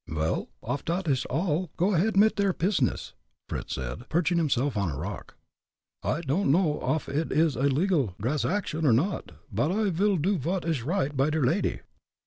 "Vel, off dot ish all, go ahead mit der pizness," Fritz said, perching himself on a rock. "I don'd know off id is a legal dransaction or not, but I'll do vot ish right by der lady."